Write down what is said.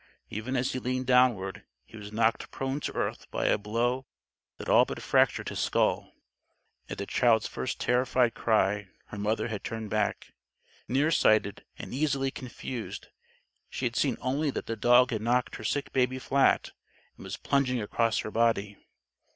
Even as he leaned downward he was knocked prone to earth by a blow that all but fractured his skull. At the child's first terrified cry, her mother had turned back. Nearsighted and easily confused, she had seen only that the dog had knocked her sick baby flat, and was plunging across her body.